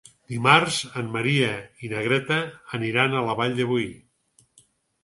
Dimarts en Maria i na Greta aniran a la Vall de Boí.